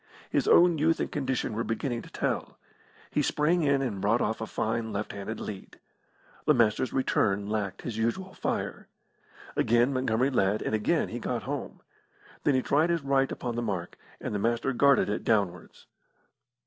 His own youth and condition were beginning to tell. He sprang in and brought off a fine left handed lead. The Master's return lacked his usual fire. Again Montgomery led, and again he got home. Then he tried his right upon the mark, and the Master guarded it downwards.